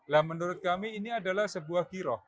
lah menurut kami ini adalah sebuah giroh